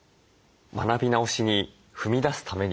学び直しに踏み出すためにですね